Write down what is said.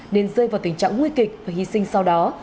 nên rơi vào tình trạng nguy kịch và hy sinh sau đó